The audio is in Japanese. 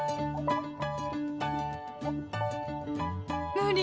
無理！